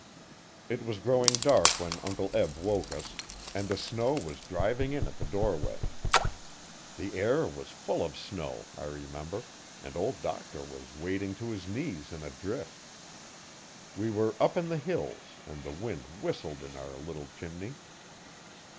It was growing dark when Uncle Eb woke us, and the snow was driving in at the doorway. The air was full of snow, I remember, and Old Doctor was wading to his knees in a drift. We were up in the hills and the wind whistled in our little chimney.